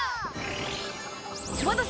おまたせ！